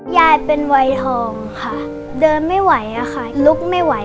ยายเป็นวัยทองค่ะเดินไม่ไหวอะค่ะลุกไม่ไหว